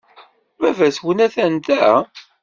Baba-twent atan da?